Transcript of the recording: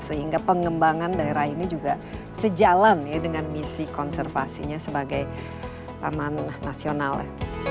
sehingga pengembangan daerah ini juga sejalan ya dengan misi konservasinya sebagai taman nasional ya